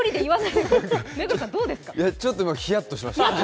ちょっと今、ヒヤっとしました。